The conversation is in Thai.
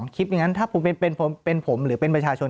คิดอย่างนั้นถ้าผมเป็นผมหรือเป็นประชาชน